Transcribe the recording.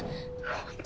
☎本当？